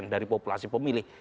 dari populasi pemilih